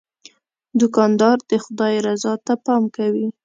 دوکاندار د خدای رضا ته پام کوي.